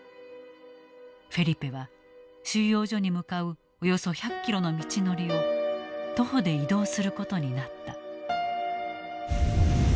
フェリペは収容所に向かうおよそ１００キロの道のりを徒歩で移動することになった。